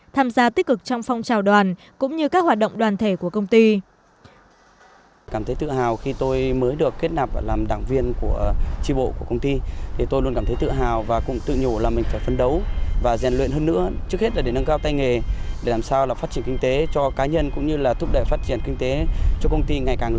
tham gia tích cực trong phong trào đoàn cũng như các hoạt động đoàn thể của công ty